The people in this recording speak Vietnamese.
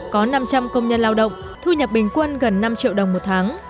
có năm trăm linh công nhân lao động thu nhập bình quân gần năm triệu đồng một tháng